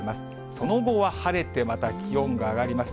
その後は晴れて、また気温が上がります。